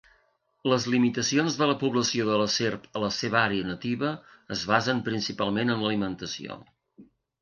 Les limitacions de la població de la serp a la seva àrea nativa es basen principalment en l'alimentació.